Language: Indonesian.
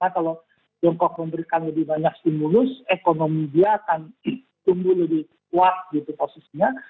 kalau tiongkok memberikan lebih banyak stimulus ekonomi dia akan tumbuh lebih kuat gitu posisinya